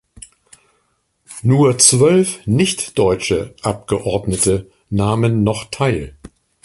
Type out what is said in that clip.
Nur zwölf nichtdeutsche Abgeordnete nahmen noch teil.